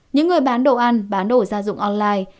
những người bán đồ ăn bán đồ gia dụng online